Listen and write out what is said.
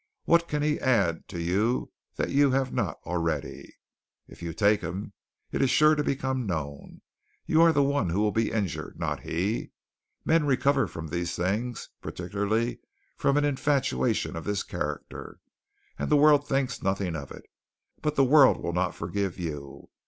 What can he add to you that you have not already? If you take him, it is sure to become known. You are the one who will be injured, not he. Men recover from these things, particularly from an infatuation of this character, and the world thinks nothing of it; but the world will not forgive you.